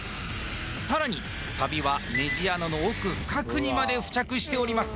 さらにサビはネジ穴の奥深くにまで付着しております